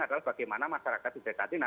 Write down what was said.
adalah bagaimana masyarakat sudah tadi